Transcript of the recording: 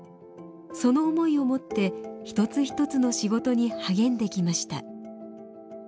その思いをもって一つ一つの仕事に励んできました。